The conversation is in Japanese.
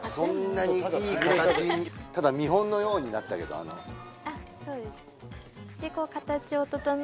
そんなにいい形ただ見本のようになったけどあっ